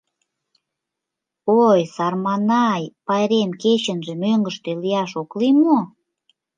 — Ой, сарманай, пайрем кечынже мӧҥгыштӧ лияш ок лий мо?